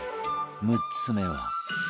６つ目は